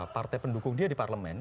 partai pendukung dia di parlemen